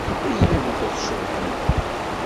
Iyyamt ad tceḍḥemt!